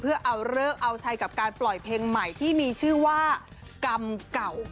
เพื่อเอาเลิกเอาชัยกับการปล่อยเพลงใหม่ที่มีชื่อว่ากรรมเก่า